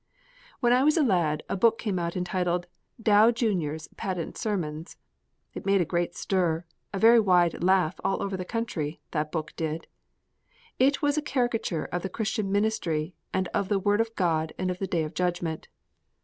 When I was a lad a book came out entitled "Dow Junior's Patent Sermons"; it made a great stir, a very wide laugh all over the country, that book did. It was a caricature of the Christian ministry and of the Word of God and of the Day of Judgment.